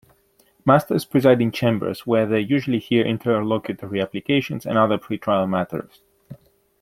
Masters preside in chambers, where they usually hear interlocutory applications and other pre-trial matters.